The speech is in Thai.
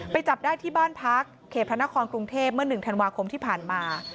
จับได้ที่บ้านพักเขตพระนครกรุงเทพเมื่อ๑ธันวาคมที่ผ่านมา